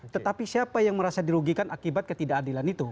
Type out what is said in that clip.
tetapi siapa yang merasa dirugikan akibat ketidakadilan itu